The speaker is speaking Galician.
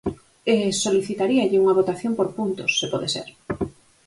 E solicitaríalle unha votación por puntos, se pode ser.